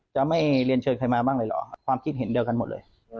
จะไม่เรียนเชิญใครมาบ้างเลยเหรอความคิดเห็นเดียวกันหมดเลย